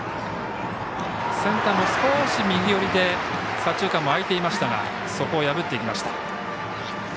センターの少し右寄りで左中間もあいていましたがそこを破っていきました。